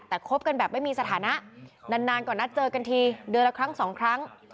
แต่คบกันแบบไม่มีสถานะนานก่อนนัดเจอกันทีเดือนละครั้งสองครั้ง